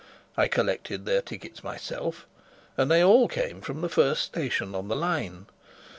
I collected their tickets myself, and they all came from the first station on the line.